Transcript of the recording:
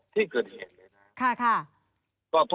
ที่เกิดเหตุ